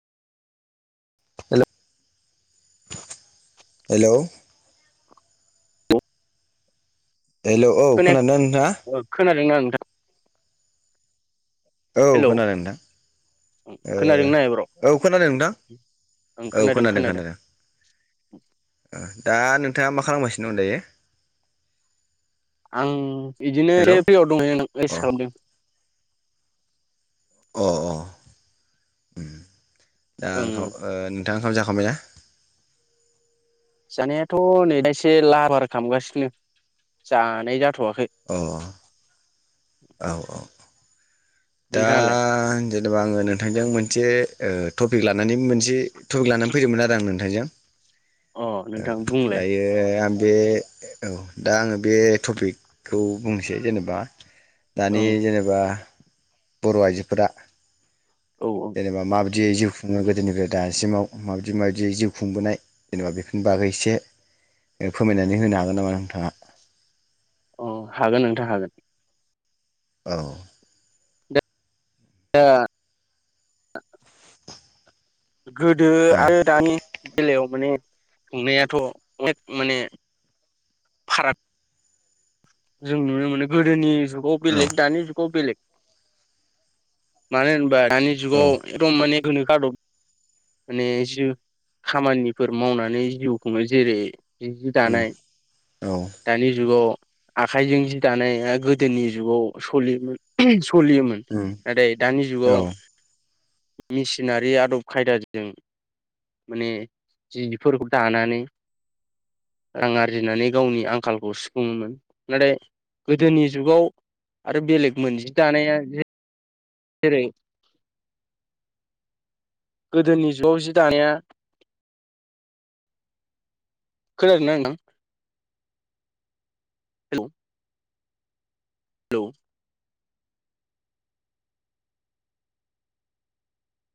हेल' hello hello औ खोनाया खोनादोंना नोंथाङा ओ खोनादोंना नोंथां औ हेलौ खोनादों नोंथां खोनादोंना एब्र' ओ औ खोनादों नोंथां औ खोनादों खोनादों ओ दा नोंथाङा मा खालामगासिनो दं दायो आं बिदिनो ए हेलौ फ्रियाव दंह अ एस खालामदों अ अ दा ओ ओं ओं थाङा ओंखाम जाखांबाय ना जानायाथ' नै दा एसे लाबार खालामगासिनो जानाय जाथ'वाखै अ औ औ दा नोंथाङालाय जेनेबा आङो नोंथांजों मोनसे ओ टपिक ला नानै मोनसे थपिक लानानै फैदोंमोन आरो आं नोंथांजों अ जों नोंथां बुंलाय दायो आं बे औ दा आङो बे टपिकखौ बुंनोसै जेनेबा दानि ओं जेनेबा बर' आइजोफोरा औ जेनबा मा बि बिदि जिउ खुङो गोदोनिफ्राय दासिमाव माबायदि माबायदियै जिउ खुंबोनाय जेनेबा बेफोरनि बागै एसे फोरमायनानै होनो हागोन नामा नोंथाङा अ हागोन नोंथा हागोन औ दा गोदो औ आरो दानि बेलायाव माने संनायाथ' अनेक माने फाराग जों नुनो मोनो गोदोनि जुगाव बेलेग दानि जुगाव बेलेग मानो होमबा दानि औ जुगाव एकदम माने गोनोखो आदब माने जि खामानिफोर मावनानै जिउखुङो जेरै जि दानाय औ दानि जुगाव आखाइजों जि दानाया गोदोनि जुगाव सलियोमोन सलियोमोन औ नाथाय दानि जुगाव औ मेसिनारि आदब खायदाजों माने जिफोरखौ दानानै रां आरजिनानै गावनि आंखालखौ सुफुङोमोन नाथाय गोदोनि जुगाव आरो बेलेग मोन जि दानाया जे जेरै गोदोनि जुगाव जि दानाया खोनादोंना नोंथां हेलौ हेलौ